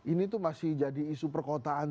ini tuh masih jadi isu perkotaan